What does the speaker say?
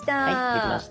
できました。